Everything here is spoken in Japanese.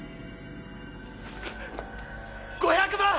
５００万！